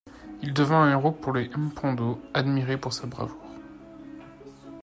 Il devint un héros pour les Mpondo, admiré pour sa bravoure.